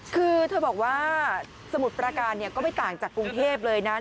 คือเธอบอกว่าสมุทรประการก็ไม่ต่างจากกรุงเทพเลยนะ